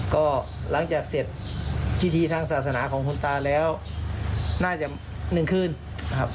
ก็หลังจากเสร็จพิธีทางศาสนาของคุณตาแล้วน่าจะ๑คืนนะครับ